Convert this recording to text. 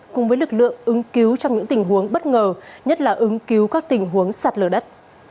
cùng với lực lượng ứng cứu trong những tình huống bất ngờ nhất là ứng cứu các tình huống sạt lở đất